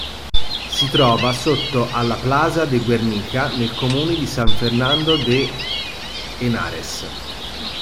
Si trova sotto alla Plaza de Guernica, nel comune di San Fernando de Henares.